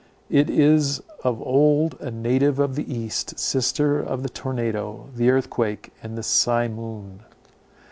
It is of old a native of the East, sister of the tornado, the earthquake, and the simoon.